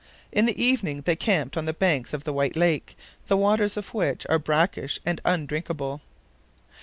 In the evening they camped on the banks of the White Lake, the waters of which are brackish and undrinkable.